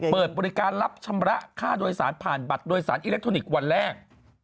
เปิดบริการรับชำระค่าโดยสารผ่านบัตรโดยสารอิเล็กทรอนิกส์วันแรก